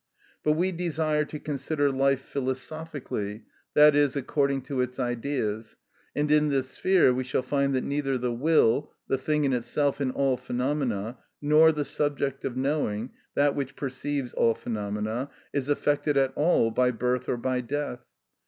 But we desire to consider life philosophically, i.e., according to its Ideas, and in this sphere we shall find that neither the will, the thing in itself in all phenomena, nor the subject of knowing, that which perceives all phenomena, is affected at all by birth or by death.